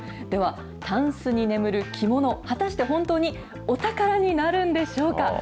では、タンスに眠る着物、果たして本当にお宝になるんでしょうか。